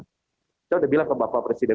kita sudah bilang ke bapak presiden